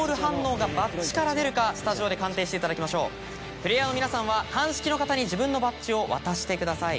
プレーヤーの皆さんは鑑識の方に自分のバッジを渡してください。